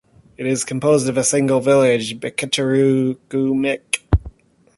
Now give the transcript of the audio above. It is composed of a single village, Becicherecu Mic.